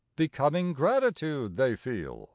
Becoming gratitude they feel.